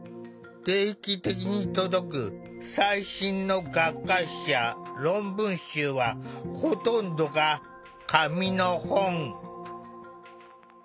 定期的に届く最新の学会誌や論文集はほとんどが「紙の本」。